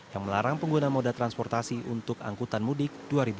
yang melarang pengguna moda transportasi untuk angkutan mudik dua ribu dua puluh